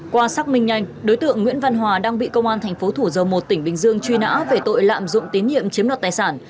qua xác minh nhanh đối tượng nguyễn văn hòa đang bị công an thành phố thủ dầu một tỉnh bình dương truy nã về tội lạm dụng tín nhiệm chiếm đoạt tài sản